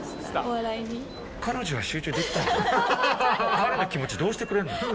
彼の気持ちどうしてくれるの？